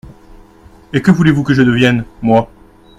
Et que voulez-vous que je devienne, moi ?